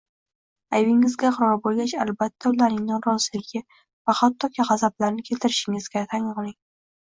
Aybingizga iqror bo‘lgach, albatta ularning noroziligi va hattoki g‘azablarini keltirishingizni tan oling.